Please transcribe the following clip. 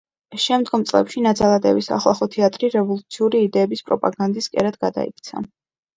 შემდგომ წლებში ნაძალადევის სახალხო თეატრი რევოლუციური იდეების პროპაგანდის კერად გადაიქცა.